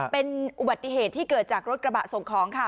เป็นอุบัติเหตุที่เกิดจากรถกระบะส่งของค่ะ